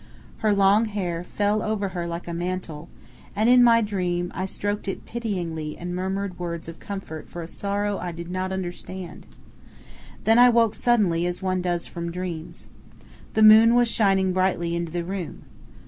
Her long hair fell over her like a mantle, and in my dream I stroked it pityingly and murmured words of comfort for a sorrow I did not understand.... Then I woke suddenly as one does from dreams. The moon was shining brightly into the room.